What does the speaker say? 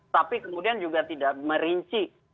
tapi kemudian juga tidak merinci